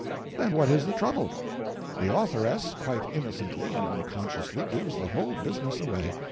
Then what is the trouble? The authoress quite innocently and unconsciously gives the whole business away.